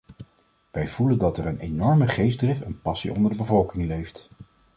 Wij voelen dat er een enorme geestdrift en passie onder de bevolking leeft.